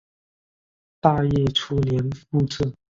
大业初年复置。